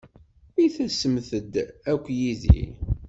I tasemt-d akk yid-i?